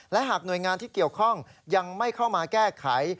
และหากหน่วยงานที่เกี่ยวข้องยังไม่เข้ามาแก้ไข